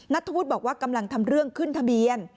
นัทธวุฒิบอกว่ากำลังทำเรื่องขึ้นทะเบียน